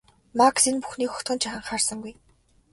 Макс энэ бүхнийг огтхон ч анхаарсангүй.